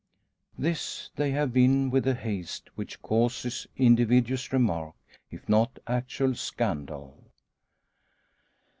This they have been with a haste which causes invidious remark, if not actual scandal.